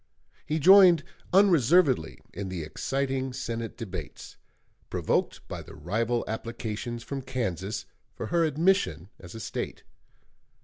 He joined unreservedly in the exciting Senate debates, provoked by the rival applications from Kansas for her admission as a State.